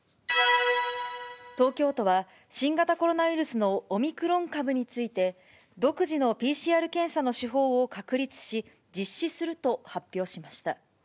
東京都は、新型コロナウイルスのオミクロン株について、独自のＰＣＲ検査の手法を確立し、実施すると発表しました。